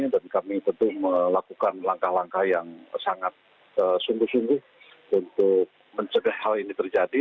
dan kami tentu melakukan langkah langkah yang sangat sungguh sungguh untuk mencegah hal ini terjadi